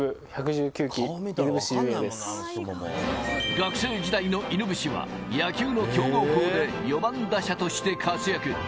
学生時代の犬伏は野球の強豪校で４番打者として活躍。